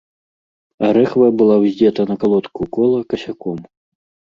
А рэхва была ўздзета на калодку кола касяком.